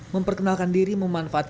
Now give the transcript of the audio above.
memperkenalkan diri memanfaatkan ruangnya